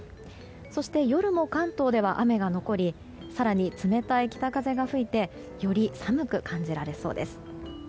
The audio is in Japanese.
そして、夜も関東では雨が残り更に冷たい北風が吹いてより寒く感じられそうです。